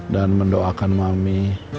dan mendoakan mami